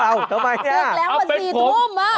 เอ้าทำไมนี่ออกแล้วมา๔๐๐อะเอ้าเขาเป็นผม